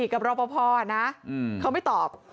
กับรอปภนะเขาไม่ตอบ